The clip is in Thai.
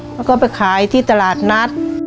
แล้วก็ไปขายที่ตลาดนัด